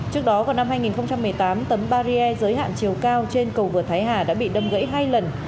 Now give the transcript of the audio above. trước đó vào năm hai nghìn một mươi tám tấm barrier giới hạn chiều cao trên cầu vượt thái hà đã bị đâm gãy hai lần